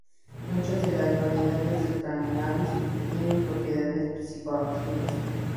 Muchas de las variedades del cannabis tienen propiedades psicoactivas.